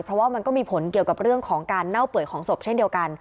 เพราะว่ามันก็มีผลเกี่ยวกับเรื่องของการเน่าเปื่อยของศพเช่นเดียวกัน